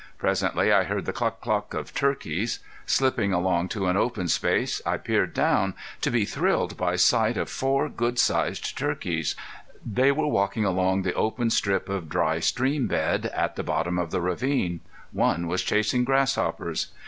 Presently I heard the cluck cluck of turkeys. Slipping along to an open place I peered down to be thrilled by sight of four good sized turkeys. They were walking along the open strip of dry stream bed at the bottom of the ravine. One was chasing grasshoppers.